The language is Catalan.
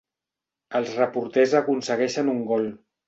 Els reporters aconsegueixen un gol.